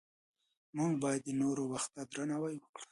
موږ باید د نورو وخت ته درناوی وکړو